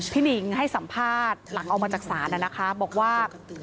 หนิงให้สัมภาษณ์หลังเอามาจากศาลนะคะบอกว่า